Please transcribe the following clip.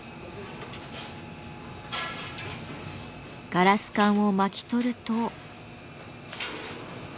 ガラス管を巻き取ると。